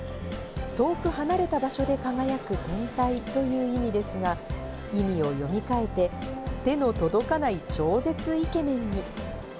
遠く離れた場所で輝く天体という意味ですが、意味を読み替えて、手の届かない超絶イケメンに。